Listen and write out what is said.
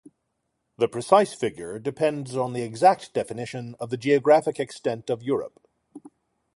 The precise figure depends on the exact definition of the geographic extent of Europe.